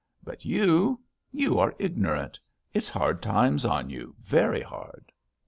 But you ... you are ignorant.... It's hard lines on you, very hard."